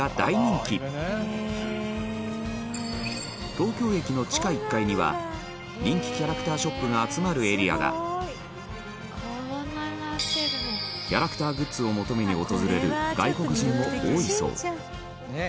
東京駅の地下１階には人気キャラクターショップが集まるエリアがキャラクターグッズを求めに訪れる外国人も多いそう田中：